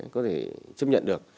có thể chấp nhận được